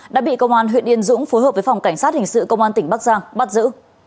đã bị công an huyện yên dũng phối hợp với phòng cảnh sát hình sự công an tỉnh bắc giang bắt giữ